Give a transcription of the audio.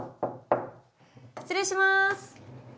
失礼しまーす。